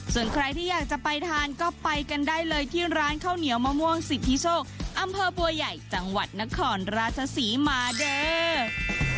ส่วนใครที่อยากจะไปทานก็ไปกันได้เลยที่ร้านข้าวเหนียวมะม่วงสิทธิโชคอำเภอบัวใหญ่จังหวัดนครราชศรีมาเด้อ